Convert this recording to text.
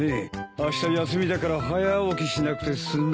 あした休みだから早起きしなくて済む。